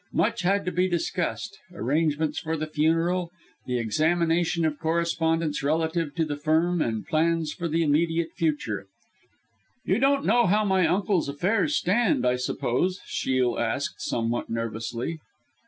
Much had to be discussed arrangements for the funeral, the examination of correspondence relative to the firm, and plans for the immediate future. "You don't know how my uncle's affairs stand, I suppose?" Shiel asked somewhat nervously.